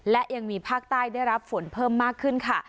และยังมีภาคใต้ได้รับฝนเพิ่มมากขึ้นค่ะ